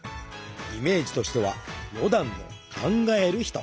イメージとしてはロダンの「考える人」。